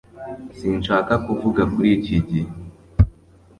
Sinshaka kuvuga kuri iki gihe